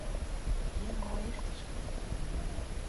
Begjin omleech te skowen.